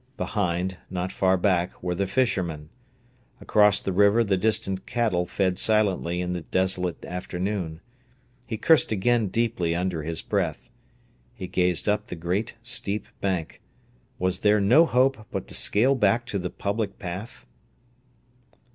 Behind, not far back, were the fishermen. Across the river the distant cattle fed silently in the desolate afternoon. He cursed again deeply under his breath. He gazed up the great steep bank. Was there no hope but to scale back to the public path?